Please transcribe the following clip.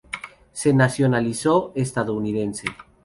Se nacionalizó estadounidense.